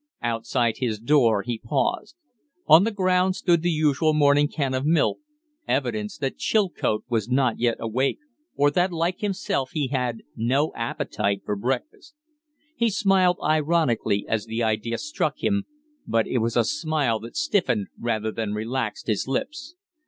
Outside his door he paused. On the ground stood the usual morning can of milk evidence that Chilcote was not yet awake or that, like himself, he had no appetite for breakfast. He smiled ironically as the idea struck him, but it was a smile that stiffened rather than relaxed his lips.